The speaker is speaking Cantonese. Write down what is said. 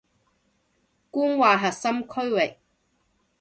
官話核心區域